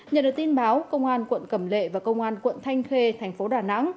nhờ được tin báo công an quận cầm lệ và công an quận thanh khê thành phố đà nẵng